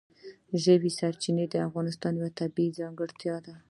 ژورې سرچینې د افغانستان یوه طبیعي ځانګړتیا ده.